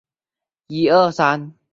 但这两个称号并非一体的。